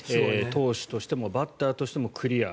投手としてもバッターとしてもクリア。